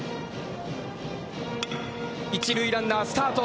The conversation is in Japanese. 一塁ランナー、スタート。